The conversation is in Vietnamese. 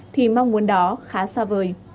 thì mong muốn đó khá xa vời